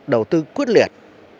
đầu tư quyết liệt